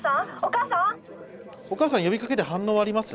おかあさん呼びかけて反応はあります？